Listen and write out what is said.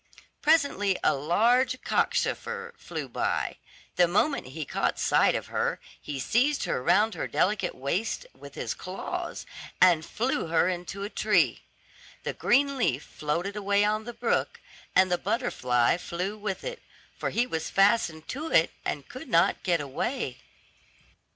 Presently a large cockchafer flew by; the moment he caught sight of her, he seized her round her delicate waist with his claws, and flew with her into a tree. The green leaf floated away on the brook, and the butterfly flew with it, for he was fastened to it, and could not get away.